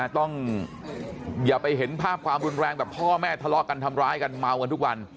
ต้องอย่าไปเห็นภาพความรุนแรงแบบพ่อแม่ทะเลาะกันทำร้ายกันเมากันทุกวัน